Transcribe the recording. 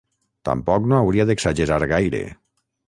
Tampoc no hauria d'exagerar gaire.